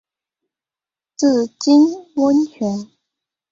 白金温泉